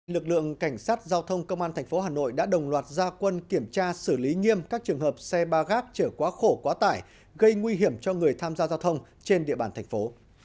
lực lượng cảnh sát giao thông công an tp hà nội đã đồng loạt gia quân kiểm tra xử lý nghiêm các trường hợp xe ba gác trở quá khổ quá tải gây nguy hiểm cho người tham gia giao thông trên địa bàn thành phố